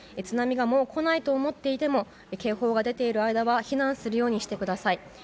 津波がもう来ないと思っていても警報が出ている間は避難するようにしてください。